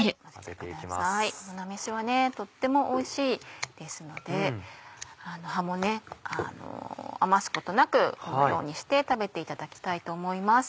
菜めしはとってもおいしいですので葉も余すことなくこのようにして食べていただきたいと思います。